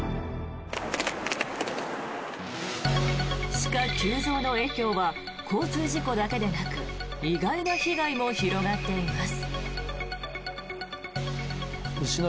鹿急増の影響は交通事故だけでなく意外な被害も広がっています。